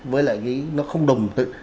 với là những người đồng tư